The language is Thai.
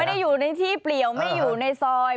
ไม่ได้อยู่ในที่เปลี่ยวไม่ได้อยู่ในซอย